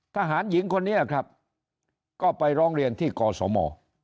ทหารหญิงคนนี้ครับก็ไปร้องเรียนที่กศม